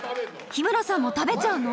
日村さんも食べちゃうの？